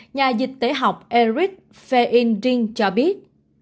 nhà dịch tế học eric feindring cho biết